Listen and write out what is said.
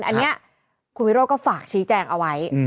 อันนี้คุณวิโรธก็ฝากชี้แจงเอาไว้